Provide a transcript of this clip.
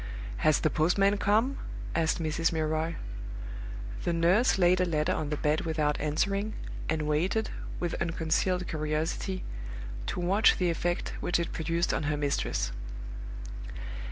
"Has the postman come?" asked Mrs. Milroy. The nurse laid a letter on the bed without answering, and waited, with unconcealed curiosity, to watch the effect which it produced on her mistress.